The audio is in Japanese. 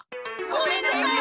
ごめんなさい。